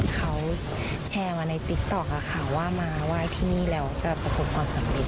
เขาแชร์มาในติ๊กต๊อกว่ามาไหว้ที่นี่แล้วจะประสบความสำเร็จ